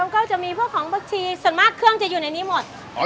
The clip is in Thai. ก็จะมีพวกของบางทีส่วนมากเครื่องจะอยู่ในนี้หมด